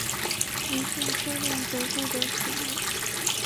乙种车辆则不得驶入。